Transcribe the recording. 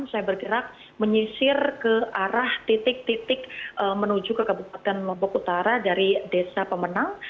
saya bergerak menyisir ke arah titik titik menuju ke kabupaten lombok utara dari desa pemenang